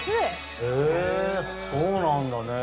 へぇそうなんだね！